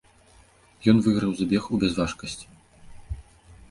Ён выйграў забег у бязважкасці.